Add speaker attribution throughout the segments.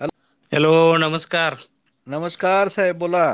Speaker 1: Hello!
Speaker 2: Hello, नमस्कार!
Speaker 1: नमस्कार साहेब बोला.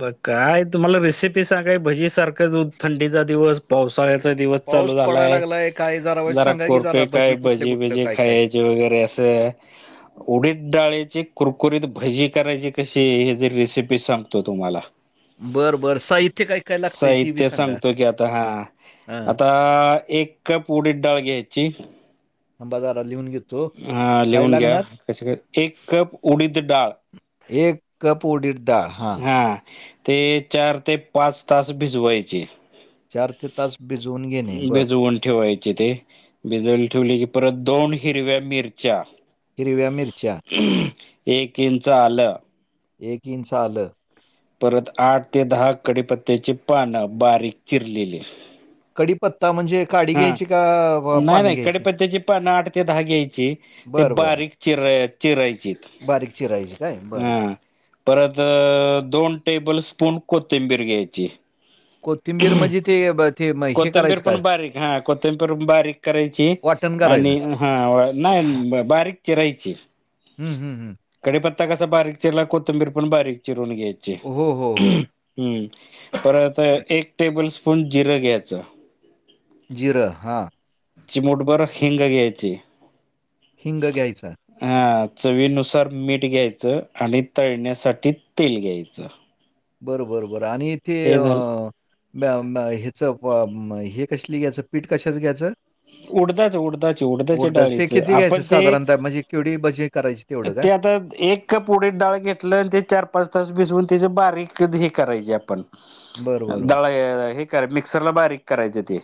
Speaker 2: बघ काय तुम्हाला रेसिपी सांगाय भजीसारखा थंडीचा दिवस पावसाळ्यात. दिवस चालू
Speaker 1: पाऊस पडायला
Speaker 2: झालाय
Speaker 1: लागलाय काय वाईज
Speaker 2: जरा
Speaker 1: सांगा की
Speaker 2: करतोय काय
Speaker 1: कुठल्या
Speaker 2: भजी
Speaker 1: कुठलं
Speaker 2: बजी
Speaker 1: काय काय?
Speaker 2: खाय. जे वगैरे असं. उडीद डाळीची कुरकुरीत भजी करायची कशी हे ज रेसिपी मी सांगतो तुम्हाला
Speaker 1: बर बर साई
Speaker 2: साहित्य सांगतो की आता हा
Speaker 1: हां,
Speaker 2: आता एक उडीत डाळ घ्यायची
Speaker 1: थांबा जरा लिहून घेतो.
Speaker 2: हा
Speaker 1: काय
Speaker 2: लिहून घ्या
Speaker 1: लागणार?
Speaker 2: क एक कप उडीद डाळ.
Speaker 1: एक कप उडिद डाळ हा
Speaker 2: हा ते चार ते पाच तास भिजवायची
Speaker 1: ते तास भिजवून घेणे. बरं.
Speaker 2: भिजवून ठेवायचे ते भिजायला ठेवली की परत दोन हिरव्या मिरच्या.
Speaker 1: हिरव्या मिरच्या.
Speaker 2: एक इंच आलं.
Speaker 1: एक इंच आलं.
Speaker 2: परत आठ ते दहा कडिपत्त्याची पानं बारीक चिरलेली.
Speaker 1: कडीपत्ता म्हणजे काडी
Speaker 2: हा,
Speaker 1: घ्यायची का अ,
Speaker 2: नाही
Speaker 1: पानं
Speaker 2: नाही
Speaker 1: घ्यायची?
Speaker 2: कडिपत्त्याची पान आठ ते दहा घ्यायची ते
Speaker 1: बरं, बरं.
Speaker 2: बारीक चिर चिरायची
Speaker 1: बारीक चिरायची काय बरं
Speaker 2: हा
Speaker 1: बरं
Speaker 2: परत दोन टेबल स्पून कोथिंबीर घ्यायची.
Speaker 1: कोथिंबीर मंजे ते ब ते म हे
Speaker 2: कोथंबीर
Speaker 1: करायचं का
Speaker 2: पण बारीक हा कोथंबीर पण बारीक करायची
Speaker 1: वाटण
Speaker 2: आणि
Speaker 1: करायचं?
Speaker 2: हा नाही बारीक चिरायची
Speaker 1: हम् हम्म हम!
Speaker 2: कडिपत्ता कसा बारीक चिरला कोथंबीर पण बारीक चिरून घ्यायची
Speaker 1: हो, हो, हो.
Speaker 2: हम्म परत एक टेबल स्पून जिरं घ्यायचं.
Speaker 1: जिर हा
Speaker 2: चिमुट बर हिंग घ्यायची.
Speaker 1: हिंग घ्यायचा
Speaker 2: हा चवीनुसार मीठ घ्यायचं आणि तळण्यासाठी तेल घ्यायचं.
Speaker 1: बर बर बरं, आणि ते
Speaker 2: हे झालं
Speaker 1: ह्याच कसली घ्यायचं पीठ कशाच घ्याच?
Speaker 2: उडदाच, उडदाच, उडदाच्या
Speaker 1: ते
Speaker 2: डाळीचं
Speaker 1: किती घ्यायचं
Speaker 2: आपण ते
Speaker 1: साधारणतः म्हणजे केवढी भजी करायची तेवढं काय?
Speaker 2: ते आता एक कप उडीद डाळ घेतलं ते चार-पाच तास भिजवून त्याचं बारीक हे करायचे आपण
Speaker 1: बरं, बरं. बरं.
Speaker 2: दळ हे करा मिक्सरला बारीक करायचं ते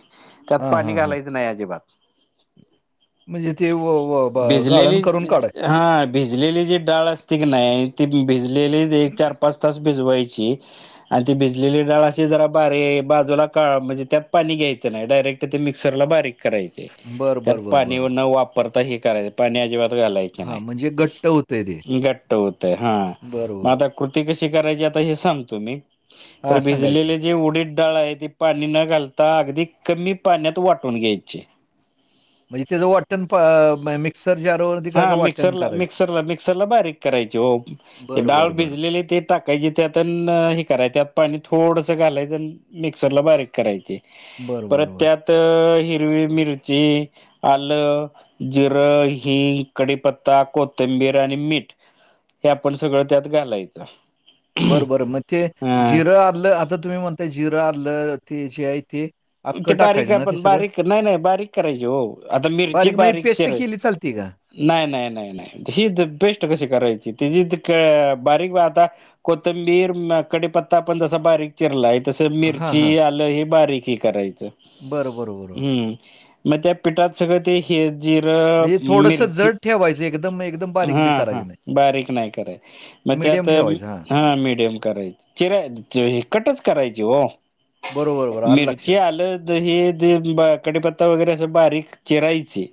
Speaker 2: त्यात
Speaker 1: हां,
Speaker 2: पाणी
Speaker 1: हां, हां.
Speaker 2: घालायचं नाही, अजिबात.
Speaker 1: म्हणजे ते व व ब गाळण
Speaker 2: भिजलेली
Speaker 1: करून काढायचं.
Speaker 2: हा ह भिजलेली जी डाळ असते की नाही ती भिजलेली एक चार पाच तास भिजवायची, आणि ती भिजलेली डाळ अशी जरा बारी बाजूला काडू म्हणजे त्यात पाणी घ्यायचं नाही डायरेक्ट तर ते मिक्सर ला बारीक करायचे
Speaker 1: बरं,
Speaker 2: त्यात
Speaker 1: बरं, बरं,
Speaker 2: पाणी
Speaker 1: बरं.
Speaker 2: न वापरता हे करायचे पाणी अजिबात घालायचे,
Speaker 1: हां, म्हणजे घट्ट होतंय ते.
Speaker 2: नाही घट्ट होते हा
Speaker 1: बरं,
Speaker 2: म
Speaker 1: बरं.
Speaker 2: आता- कृती कशी करायची आता हे सांगतो मी तर
Speaker 1: हां, सांगा की.
Speaker 2: भिजलेली जी उडीट डाळ आहे ती पाणी न घालता अगदी कमी पाण्यात वाटून घ्यायची. ची.
Speaker 1: म्हणजे ते ज वाटण मिक्सर जारवरती
Speaker 2: हा
Speaker 1: काय का वाटण
Speaker 2: मिक्सरला
Speaker 1: करायचं?
Speaker 2: मिक्सरला मिक्सरला बारीक करायची ओ ते
Speaker 1: बरं,
Speaker 2: डाळ
Speaker 1: बरं, बरं.
Speaker 2: भिजलेली ते, टाकायची त्यात अन्ं हे करायचं पाणी थोडसं घालायचं मिक्सर ला बारीक करायची,
Speaker 1: बरं,
Speaker 2: परत
Speaker 1: बरं, बरं.
Speaker 2: त्यात त हिरवी मिरची आलं जिरं, की कडीपत्ता कोथंबीर आणि मीठ हे आपण सगळं त्यात घालायचं.
Speaker 1: बरं बरं मग ते
Speaker 2: ह
Speaker 1: जिरं आलं आता तुम्ही म्हणताय जिरं आलं ते जे आहे ते
Speaker 2: ते
Speaker 1: अख्खं
Speaker 2: बारीक
Speaker 1: टाकायचं ना ते
Speaker 2: आपण
Speaker 1: सगळं?
Speaker 2: बारीक नाही नाही बारीक करायची हो आता मिरची
Speaker 1: म्हणजे
Speaker 2: बारीक
Speaker 1: पेस्ट
Speaker 2: चीर
Speaker 1: केली चालते का?
Speaker 2: नाही नाही नाही नाही ही बेस्ट कशी करायची तची बारीक आता कोतंबीर म कडीपता पण झसा बारिक चिरलाय तसं
Speaker 1: हां, हां.
Speaker 2: मिरची आलं हे बारीक हे करायचं
Speaker 1: बरं, बरं, बरोबर.
Speaker 2: हम्म मग त्या पिठात सगं ते हे जिरं
Speaker 1: म्हणजे थोडंसं
Speaker 2: मिरची
Speaker 1: जड ठेवायचं एकदम, एकदम बारीक बी
Speaker 2: हा हा
Speaker 1: करायचं नाही.
Speaker 2: बारीक नाही करायच मग
Speaker 1: मीडियम
Speaker 2: त्यात
Speaker 1: ठेवायचं. हां.
Speaker 2: हा मीडियम करायच चिरा हे कटच करायची हो.
Speaker 1: बरोबर बर.
Speaker 2: मिरची आलं द हे कडीपत्ता वगैरे असं बारीक चिरायचे.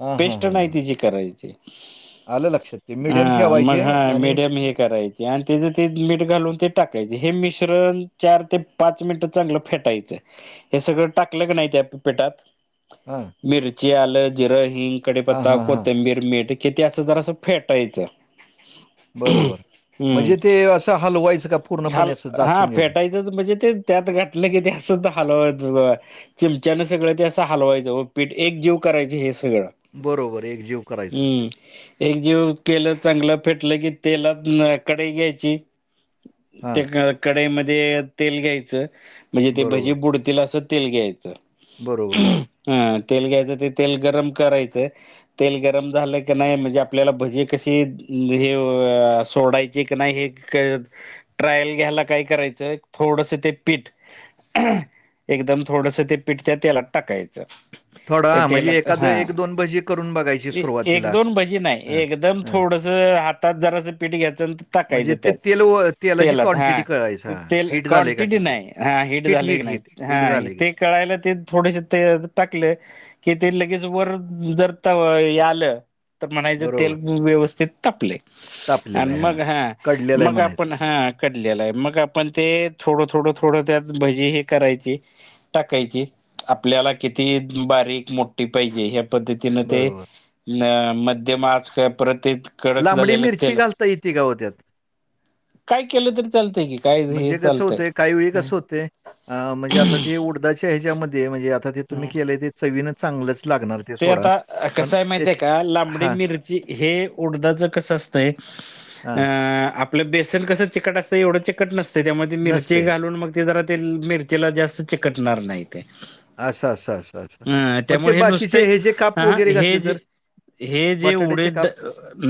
Speaker 1: हां, हां,
Speaker 2: पेस्ट
Speaker 1: हां,
Speaker 2: नाही
Speaker 1: हां.
Speaker 2: तिची करायची.
Speaker 1: आलं लक्षात. ते मीडियम
Speaker 2: हा मग
Speaker 1: ठेवायचे
Speaker 2: हा
Speaker 1: आणि
Speaker 2: मीडियम हे करायच. आणि त्याच ते मीठ घालून ते टाकायचे हे मिश्रण चार ते पाच मिनिट चांगलं फेटायचं. हे सगळं टाकलं की नाही त्या पिटात
Speaker 1: हम.
Speaker 2: मिरची, आलं, जिरं, हिंग, कढीपत्ता,
Speaker 1: हां, हां.
Speaker 2: कोथंबीर, मीठ किती असं जरा असं फेटायचं.
Speaker 1: बरोबर
Speaker 2: हम्म
Speaker 1: म्हणजे ते असं हलवायचं का पूर्णपणे
Speaker 2: हाल
Speaker 1: असं
Speaker 2: हा
Speaker 1: जाचून घ्यायचं.
Speaker 2: फेटायचंच म्हणजे ते त्यात घातलं की अस तर हलवायचं चिमच्यान सगळं ते असं हलवायचं व पीठ एक जीव करायच हे सगळं
Speaker 1: बरोबर, एकजीव करायचं.
Speaker 2: हम्म. एक जीव केलं चांगलं फेटलं की तेलात कडे घ्यायची
Speaker 1: हां.
Speaker 2: त्या कढईमध्ये तेल घ्यायचं म्हणजे ते भजी
Speaker 1: बरोबर,
Speaker 2: बुडतील असं. तेल घ्यायचं.
Speaker 1: बरोबर.
Speaker 2: हा तेल घ्यायचं ते तेल गरम करायचं. तेल गरम झालं की नाही म्हणजे आपल्याला भजी कशी हे सोडायची. नाही हे ट्रायल घ्यायला काय करायचं थोडस ते पीठ एकदम थोडस ते पिठच्या तेलात टाकायचं.
Speaker 1: थोडा
Speaker 2: ते
Speaker 1: हां,
Speaker 2: तेला
Speaker 1: म्हणजे एखादं
Speaker 2: हा
Speaker 1: भजी करून बघायची
Speaker 2: एक
Speaker 1: सुरुवातीला.
Speaker 2: दोन भजी नाही
Speaker 1: हां,
Speaker 2: एकदम
Speaker 1: हां.
Speaker 2: थोड हातात जरां पीठ घ्यायच. टाकायच
Speaker 1: म्हणजे ते
Speaker 2: त्या
Speaker 1: तेल व तेलाची
Speaker 2: तेलात हा
Speaker 1: क्वांटिटी कळायचं.
Speaker 2: ते
Speaker 1: हां,
Speaker 2: ते
Speaker 1: हीट झालंय का
Speaker 2: क्नटिटी
Speaker 1: किती?
Speaker 2: नाही हा
Speaker 1: हीट,
Speaker 2: झाले की
Speaker 1: हीट, हीट,
Speaker 2: नाही
Speaker 1: हीट
Speaker 2: हा
Speaker 1: झालंय का?
Speaker 2: ते कळायला ते थोडेसे ते टाकले. कि ते लगेच वर जर तव हे आलं तर म्हणायचं तेल
Speaker 1: बरोबर.
Speaker 2: व्यवस्थित तापलय
Speaker 1: तापलेलं
Speaker 2: आणि
Speaker 1: आहे. हां,
Speaker 2: मग हा
Speaker 1: कडलेलं आहे
Speaker 2: मग
Speaker 1: म्हणायचं.
Speaker 2: आपण हा कटलेला आहे मग आपण ते थोडं थोडं थोडं त्यात भजी हे करायची. टाकायची. आपल्याला किती बारीक मोठी पाहिजे ह्या पद्धतीनं ते
Speaker 1: बरोबर.
Speaker 2: मध्यम आकार परत ते कडक
Speaker 1: लांबडी
Speaker 2: झालेलं
Speaker 1: मिरची
Speaker 2: तेल
Speaker 1: घालता येते का हो त्यात?
Speaker 2: फ्राय केलं तरी चालतंय की. काय हे
Speaker 1: म्हणजे कसं
Speaker 2: चालतंय
Speaker 1: होतय. काही वेळी
Speaker 2: हम्म
Speaker 1: कसं होत अ म्हणजे आता ते उडदााच्या ह्याच्यामध्ये म्हणजे आ ते तुम्ही
Speaker 2: हम्म
Speaker 1: केलं ते चवीन चांगलंच लागणार. ते सोडा
Speaker 2: आता
Speaker 1: पण
Speaker 2: कसं आहे माहितीय
Speaker 1: त्याची
Speaker 2: का लांबडी
Speaker 1: हा.
Speaker 2: मिरची हे उडदाच कस असतंय अ
Speaker 1: हां.
Speaker 2: आ आपलं बेसन कसं चिकट असतंय. एवढं चिकट नसतं त्यामध्ये मिरची
Speaker 1: नसतंय.
Speaker 2: घालून मग ते जरा ते मिरचीला जास्त चिकटणार नाही ते.
Speaker 1: आस आस आस.
Speaker 2: अ त्यामुळे हे नुसते अह
Speaker 1: वगैरे
Speaker 2: हे
Speaker 1: घातले
Speaker 2: जे
Speaker 1: तर?
Speaker 2: हेजे
Speaker 1: बटाट्याचे
Speaker 2: उडिद
Speaker 1: काप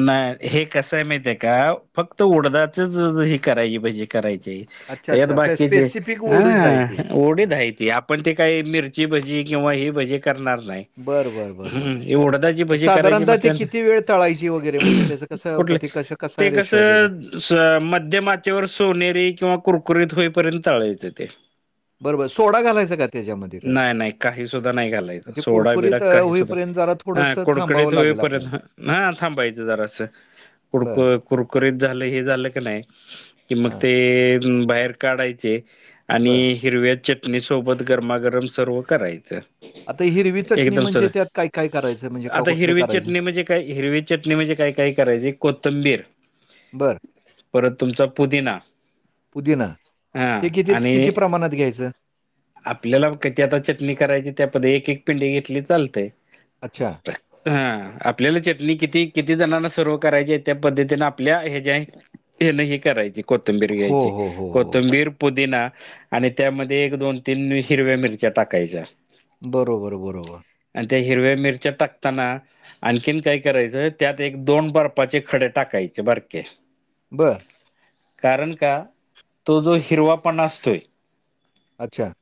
Speaker 2: नाही हे कसंय माहित आहे का. फक्त उडदाचच हे करायची भजी करायची.
Speaker 1: अच्छा,
Speaker 2: यात
Speaker 1: अच्छा. ते
Speaker 2: बाकीचे
Speaker 1: स्पेसिफिक उडीद आहे ते.
Speaker 2: अं
Speaker 1: हां.
Speaker 2: उडीद आहेत. की आपण ते काही मिरची भजी किंवा ही भजी करणार नाही.
Speaker 1: बरं, बरं, बरं, बरं.
Speaker 2: हम्म, उडदाची भजी करायची
Speaker 1: साधारणतः ते
Speaker 2: म्हंटल्याव
Speaker 1: किती वेळ तळायची वगैरे म्हणजे त्याचं कसं प
Speaker 2: कुठल?
Speaker 1: ते कसं
Speaker 2: ते
Speaker 1: कसा रेशो आहे त्याचा?
Speaker 2: कसं अस मध्यम आचेवर सोनेरी किंवा कुरकुरीत होईपर्यंत तळायचें ते.
Speaker 1: बरोबर. सोडा घालायचं त्यात.
Speaker 2: नाही नाही काही सुुद्धा नाही
Speaker 1: मग
Speaker 2: घालायचं.
Speaker 1: ते
Speaker 2: सोडा बिडा
Speaker 1: कुरकुरीत अ,
Speaker 2: काही सुद्धा
Speaker 1: होईपर्यंत जरा
Speaker 2: हा
Speaker 1: थोडंसं थांबावं
Speaker 2: कुडकुडीत
Speaker 1: लागेल आपल्याला.
Speaker 2: होईपर्यंत हा थांबायच जरास
Speaker 1: बरं.
Speaker 2: कुडको कुरकुरीत झालं हे झालं का नाही कि मग
Speaker 1: हां,
Speaker 2: ते बाहेर काढायचे. आणि
Speaker 1: बरं.
Speaker 2: हिरव्या चटणी सोबत गरमागरम सर्व करायचं.
Speaker 1: आता हिरवी चटणी
Speaker 2: एकदम
Speaker 1: म्हणजे
Speaker 2: सर
Speaker 1: त्यात काय-काय करायचं म्हणजे का
Speaker 2: आता
Speaker 1: कुठलं
Speaker 2: हिरवी
Speaker 1: करायचं?
Speaker 2: चटणी म्हणजे काय हिरवी चटणी म्हणजे काय काय करायची कोथंबीर,
Speaker 1: बरं.
Speaker 2: परत तुमचा पुदिना
Speaker 1: पुदिना
Speaker 2: हा
Speaker 1: ते किती
Speaker 2: आणि
Speaker 1: किती प्रमाणात घ्यायचं?
Speaker 2: आपल्याला किती आता चटणी करायची त्या प एक एक पिंडी घेतली चालते.
Speaker 1: अच्छा.
Speaker 2: हा आपल्याला चटणी किती किती जणांना सर्व करायची आहे. त्या पद्धतीने आपल्या हे ज्या, हे नाही हे करायचे. कोथंबीर
Speaker 1: हो,
Speaker 2: घ्यायची.
Speaker 1: हो, हो, हो.
Speaker 2: कोथंबीर, पुदिना आणि त्यामध्ये एक दोन तीन हिरव्या मिरची त्यात टाकायचं.
Speaker 1: बरोबर बरोबर.
Speaker 2: आणि त्या हिरव्या मिरच्या टाकताना. आणखीन काय करायचं. त्यात एक दोन बर्फाचे खडे टाकायचे बारके
Speaker 1: बरं.
Speaker 2: कारण का तो जो हिरवापणा असतोय.
Speaker 1: अच्छा.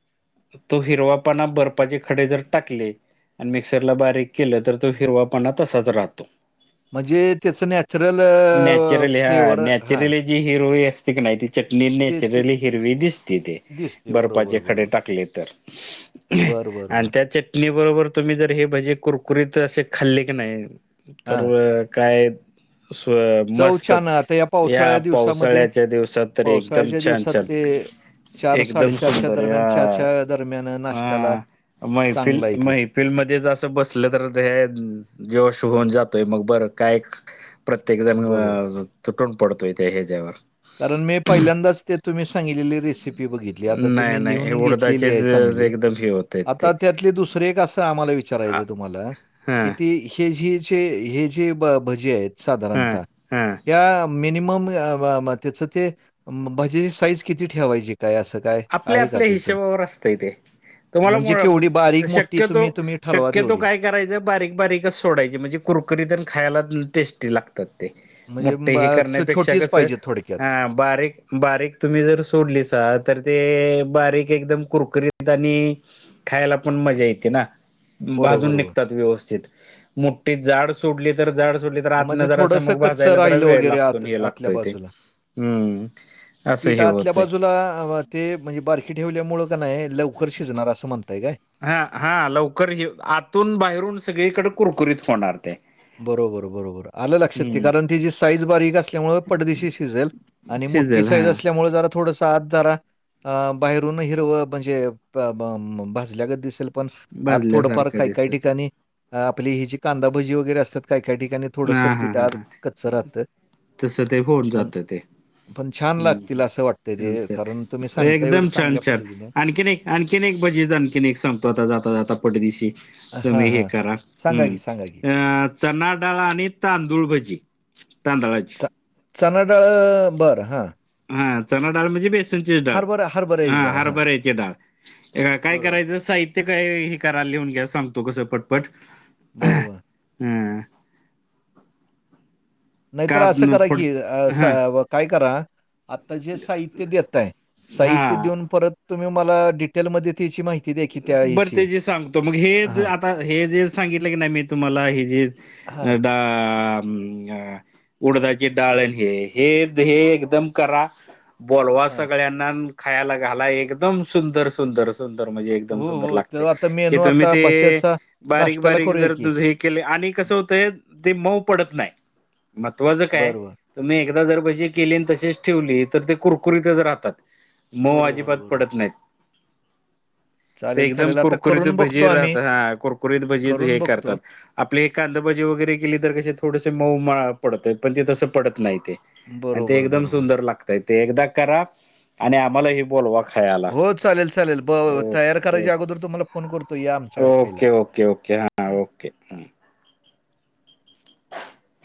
Speaker 2: तो हिरवापना बर्फाचे खडे जर टाकले. आणि मिक्सरला बारीक केलं. तर तो हिरवापणा तसाच राहतो.
Speaker 1: म्हणजे त्याचं नॅचरल फ्लेवर हा
Speaker 2: ती हिरव असते की नाही. चटणी
Speaker 1: ते
Speaker 2: नॅचरली हिरवी दिसती ते
Speaker 1: दिसते.
Speaker 2: बर्पाचे
Speaker 1: बरोबर,
Speaker 2: खडे
Speaker 1: बरोबर.
Speaker 2: टाकले तर,
Speaker 1: बरं, बरं,
Speaker 2: आणि
Speaker 1: बरं.
Speaker 2: त्या चटणी बरोबर तुम्ही जर हे भजे कुरकुरीत असे खाल्ले की नाही. तर
Speaker 1: हां.
Speaker 2: काय स्व
Speaker 1: चव
Speaker 2: मस्तच
Speaker 1: छान आता
Speaker 2: या
Speaker 1: पावसाळ्या दिवसामध्ये
Speaker 2: पावसाळ्याच्या दिवसात तर एकदम
Speaker 1: पावसाळ्याच्या
Speaker 2: छान
Speaker 1: दिवसात
Speaker 2: छान.
Speaker 1: ते
Speaker 2: एकदम
Speaker 1: च्या
Speaker 2: सुंदर या
Speaker 1: दरम्यान, च्या दरम्यान नाश्त्याला
Speaker 2: अ मैफिल
Speaker 1: चांगलं आहे ते.
Speaker 2: मैफिल. फिल्म मध्ये जसं बसलं तर ते जोश होऊन जातोय मग बर काय. प्रत्येक जण
Speaker 1: बरोबर.
Speaker 2: तुटून पडतो इथे ह्याच्या्यावर
Speaker 1: कारण मी पहिल्यांदाच ते तुम्ही सांगलेली रेसिपी बघितली आता ते मी लिहून घेतलेली आहे.
Speaker 2: तेच एकदम हे होतेय ते.
Speaker 1: त्यातले दुसरे एक असं आम्हाला
Speaker 2: हा
Speaker 1: विचारायचं तुम्हाला की ती हे ज जे हे जे भजी आहेत
Speaker 2: हा
Speaker 1: साधारणतः
Speaker 2: हा
Speaker 1: या मिनीमम त्याच ते भज्याची साईज किती ठेवायची? काय असं काय
Speaker 2: आपल्या
Speaker 1: आहे का
Speaker 2: आपल्या
Speaker 1: त्याचं?
Speaker 2: हिशेबावर असतंय ते.
Speaker 1: म्हणजे
Speaker 2: तुम्हाला
Speaker 1: केवढी बारीक मोठी
Speaker 2: शक्यतो
Speaker 1: तुम्ही तुम्ही ठरवा
Speaker 2: शक्यतो
Speaker 1: तेवढी.
Speaker 2: काय. करायचं बारीक बारीकच सोडायची म्हणजे कुरकरीतण खायला टेस्टी लागते. ते
Speaker 1: म्हणजे
Speaker 2: मोठठे
Speaker 1: ब
Speaker 2: हे
Speaker 1: छो
Speaker 2: करण्यापेक्षा
Speaker 1: छोटीच
Speaker 2: कस
Speaker 1: पाहिजे थोडक्यात.
Speaker 2: अ बारीक बारीक तुम्ही जर सोडलीसा. तर ते बारीक एकदम कुरकुरीतेत आणि खायला पण मजा येते ना,
Speaker 1: बरोबर,
Speaker 2: भाजून
Speaker 1: बरोबर.
Speaker 2: निघतात व्यवस्थित मोठी जाड सोडली तर जाड सोडली तर आतंन
Speaker 1: म्हणजे
Speaker 2: जरासं
Speaker 1: थोडंसं
Speaker 2: मग
Speaker 1: कच्चं
Speaker 2: भाजायला जरा
Speaker 1: राहिलं
Speaker 2: वेळ
Speaker 1: वगैरे
Speaker 2: लागतो
Speaker 1: आत
Speaker 2: हे लागतो
Speaker 1: आतल्या
Speaker 2: इथे. हम्म.
Speaker 1: पिठं आतल्या बाजूला अ ते म्हणजे बारकी ठेवल्यामुळं का नाही लवकर शिजणार असं म्हणताय काय?
Speaker 2: हा हा लवकर हे आतून बाहेरून सगळीकडे कुरकुरीत होणार ते.
Speaker 1: बरोबर बरोबर आलं लक्षात ते कारण
Speaker 2: हम्म
Speaker 1: तिची साईज बारीक असल्यामुळे पटदीशी शिजेल. आणि मोठी
Speaker 2: शिजेल
Speaker 1: साईज
Speaker 2: हा
Speaker 1: असल्यामुळे जरा थोडंसं आत जरा अ बाहेरून हिरवं म्हणजे भाजल्या गत दिसेल. पण आत थोडंफार
Speaker 2: भाजल्यासारखं
Speaker 1: काही काही
Speaker 2: दिसल
Speaker 1: ठिकाणी आपली ही जी कांदाभजी वगैरे असतात काही काही ठिकाणी थोडसं पिठं आत कच्च राहतं.
Speaker 2: तस ते होऊन
Speaker 1: पण
Speaker 2: जात ते.
Speaker 1: पण छान
Speaker 2: हम्
Speaker 1: लागतील असं वाटतंय
Speaker 2: छान
Speaker 1: ते कारण तुम्ही
Speaker 2: छान
Speaker 1: सांगताय एवढं
Speaker 2: एकदम छान
Speaker 1: चांगल्या
Speaker 2: छान
Speaker 1: पद्धतीने.
Speaker 2: आणखीन एक आणखीन एक भजी आहेत आणखीन एक सांगतो आता जाता जाता पटदिशी.
Speaker 1: हां,
Speaker 2: तुम्ही हे
Speaker 1: हां.
Speaker 2: करा
Speaker 1: सांगा
Speaker 2: हम्म
Speaker 1: की, सांगा की.
Speaker 2: अ. चनाडाळ आणि तांदूळ भजी तांदळाची
Speaker 1: चनाडाळ बरं हां.
Speaker 2: हा चणाडाळ म्हणजे बेसन ची डाळ
Speaker 1: हरभरा हरभऱ्याची
Speaker 2: हा
Speaker 1: डाळ हां.
Speaker 2: हरभऱ्याची डाळ, हे काय
Speaker 1: बरोबर.
Speaker 2: करायचं साहित ते काय हे करा लिहून घ्या सांगतो कसं पटपट.
Speaker 1: बरं बरं
Speaker 2: हा
Speaker 1: नाहीतर असं करा की
Speaker 2: हा
Speaker 1: काय करा. आता जे साहित्य देताय, साहित्य
Speaker 2: हा
Speaker 1: देऊन परत तुम्ही मला डिटेलमध्ये त्याची माहि
Speaker 2: बरं ते जे सांगतो मग हे
Speaker 1: हां,
Speaker 2: आता हे जे सांगितलं की नाही मी तुम्हाला हे जे
Speaker 1: हां,
Speaker 2: अ डा अ उडदाचे डाळ आणि हे हे हे एकदम करा. बोलवा
Speaker 1: हां.
Speaker 2: सगळ्यांना अन् खायला घाला एकदम सुंदर सुंदर सुंदर. म्हणजे एकदम
Speaker 1: हो,
Speaker 2: सुंदर
Speaker 1: हो.
Speaker 2: लागतंय,
Speaker 1: तर आता
Speaker 2: की
Speaker 1: मेनू
Speaker 2: तुम्ही
Speaker 1: आता
Speaker 2: ते
Speaker 1: बश्याचा
Speaker 2: बारीक
Speaker 1: नाश्त्याला
Speaker 2: बारीक
Speaker 1: करूया
Speaker 2: जर
Speaker 1: की.
Speaker 2: तुझे केले आणि कसं होतंय ते मऊ पडत नाय महत्वाचं काय.
Speaker 1: बरोबर.
Speaker 2: तुम्ही एकदा जर भजी केली आणि तशीच ठेवली तर ते कुरकुरीतच राहतात. मऊ
Speaker 1: बरोबर,
Speaker 2: अजिबात
Speaker 1: बरोबर.
Speaker 2: पडत नाहीत. ते
Speaker 1: चालेल,
Speaker 2: एकदम
Speaker 1: चालेल. आता
Speaker 2: कुरकुरीत
Speaker 1: करून बघतो
Speaker 2: भजी राहत
Speaker 1: आम्ही,
Speaker 2: हा कुरकुरीत भजीच
Speaker 1: करून
Speaker 2: हे
Speaker 1: बघतो.
Speaker 2: करतात. आपली कांदाभजी वगैरे केली तर कशे थोडंसं मऊ पडतय पण ते तसं पडत नाही ते. आणि ते
Speaker 1: बरोबर,
Speaker 2: एकदम
Speaker 1: बरोबर.
Speaker 2: सुंदर लागतंय, ते एकदा करा आणि आम्हालाही बोलवा. खायला.
Speaker 1: हो चालेल चालेल ब तयार करायच्या अगोदर तुम्हाला फोन करतो या
Speaker 2: ओके
Speaker 1: आमच्याकडं खायला.
Speaker 2: ओके ओके ओके हां ओके हम्म [unintelligible] [inaudible]